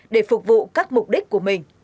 để phục vụ các mục đích của mình